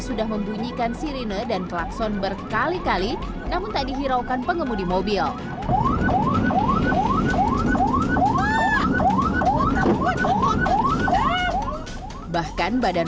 sudah membunyikan sirine dan klakson berkali kali namun tak dihiraukan pengemudi mobil bahkan badan